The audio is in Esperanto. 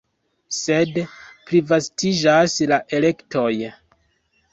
Sed plivastiĝas la elektoj.